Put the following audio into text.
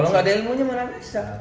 kalau nggak ada ilmunya mana bisa